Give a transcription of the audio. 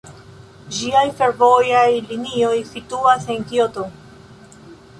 Ĝiaj fervojaj linioj situas en Kioto.